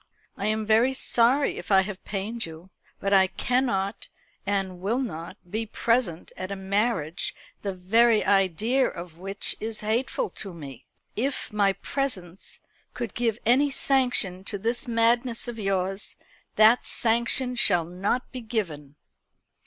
I am very sorry if I have pained you; but I cannot and will not be present at a marriage the very idea of which is hateful to me. If my presence could give any sanction to this madness of yours, that sanction shall not be given."